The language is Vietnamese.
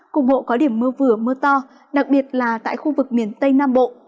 cùng hộ có điểm mưa vừa mưa to đặc biệt là tại khu vực miền tây nam bộ